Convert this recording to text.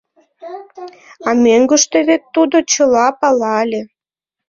А мӧҥгыштӧ вет тудо чыла пала ыле.